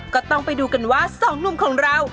ก็ต้องไปดูกันว่าสองหนุ่มของเรา